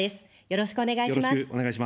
よろしくお願いします。